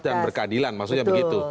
dan berkeadilan maksudnya begitu